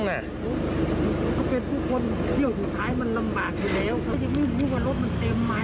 ก็เป็นผู้คนเที่ยวสุดท้ายมันลำบากอยู่แล้ว